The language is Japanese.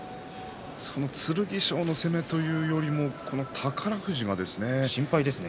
剣翔の攻めというよりも宝富士がですね